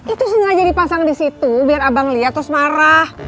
itu sengaja dipasang di situ biar abang lihat terus marah